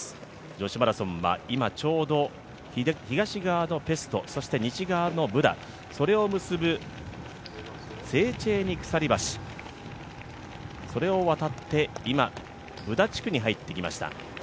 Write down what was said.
女子マラソンは今ちょうど、東側のペストそして西側のブダ、それを結ぶセーチェーニ鎖橋、それを渡って今、ブダ地区に入ってきました。